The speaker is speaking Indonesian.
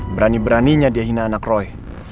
berani beraninya dia hina anak roy